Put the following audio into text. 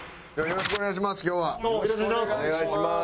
よろしくお願いします。